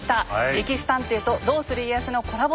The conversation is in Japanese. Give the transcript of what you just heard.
「歴史探偵」と「どうする家康」のコラボ